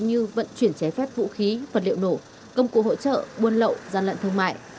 như vận chuyển trái phép vũ khí vật liệu nổ công cụ hỗ trợ buôn lậu gian lận thương mại